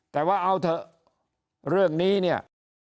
แต่ว่าเอาเถอะเรื่องนี้เนี่ย